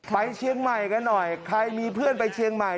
ไปเชียงใหม่กันหน่อยใครมีเพื่อนไปเชียงใหม่